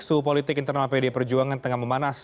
suhu politik internal pd perjuangan tengah memanas